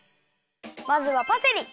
まずはパセリ。